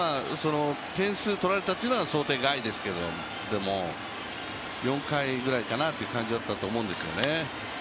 点数取られたというのは想定外ですけれども、でも４回ぐらいかなという感じだったと思うんですよね。